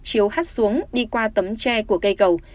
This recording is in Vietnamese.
chiếu hát xuống đi qua tấm tre của cây cầu